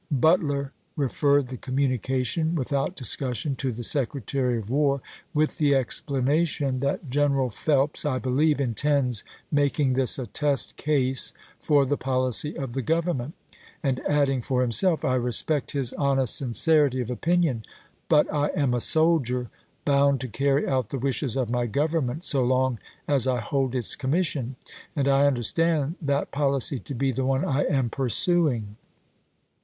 Butler re p." 489. ' f erred the communication without discussion to the Secretary of War, with the explanation that "Gen 448 ABKAHAM LINCOLN Chap. XX. era! Phelps, I believe, intends making this a test case for the policy of the Government," and adding for himself, ''I respect his honest sincerity of opinion, but I am a soldier, bound to carry out to Stanton, the wishcs of my Government so long as I hold 1862!" w.^R. its commission, and I understand that policy to be p.'ise." the one I am pursuing."